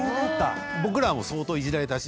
僕らも相当いじられたし。